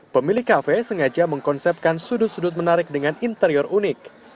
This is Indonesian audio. pemilik kafe sengaja mengkonsepkan sudut sudut menarik dengan interior unik